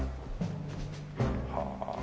はあ。